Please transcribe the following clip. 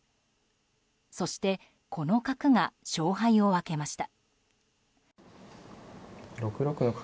そして、この角が勝敗を分けました。